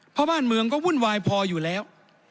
เพราะบ้านเมืองก็วุ่นวายพออยู่แล้ว